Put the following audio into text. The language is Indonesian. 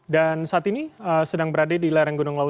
dan saat ini sedang berada di larang gunung lawu